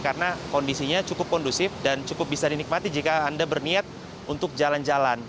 karena kondisinya cukup kondusif dan cukup bisa dinikmati jika anda berniat untuk jalan jalan